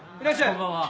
こんばんは。